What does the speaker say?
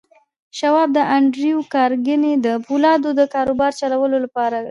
شواب د انډريو کارنګي د پولادو د کاروبار چلولو لپاره لاړ.